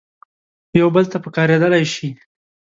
یو بل ته پکارېدلای شي.